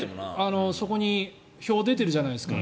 そこに表が出てるじゃないですか。